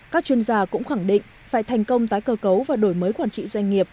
các chuyên gia cũng khẳng định phải thành công tái cơ cấu và đổi mới quản trị doanh nghiệp